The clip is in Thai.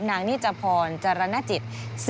๓นางนิจพรจรณจิต